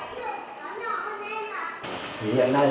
hiện nay tường là gỗ